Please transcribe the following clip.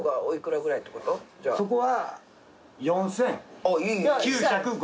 そこは。